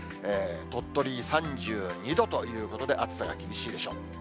鳥取３２度ということで、暑さが厳しいでしょう。